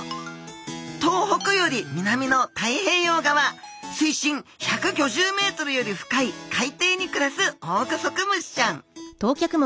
東北より南の太平洋側水深１５０ｍより深い海底に暮らすオオグソクムシちゃん。